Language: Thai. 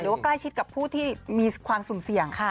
หรือว่าใกล้ชิดกับผู้ที่มีความสูงเสี่ยง